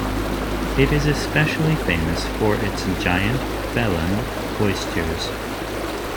It is especially famous for its giant Belon oysters.